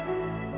terima kasih ya